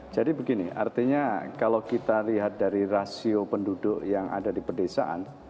jadi begini artinya kalau kita lihat dari rasio penduduk yang ada di pedesaan